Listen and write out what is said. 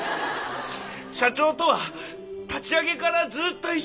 社長とは立ち上げからずっと一緒でしたね。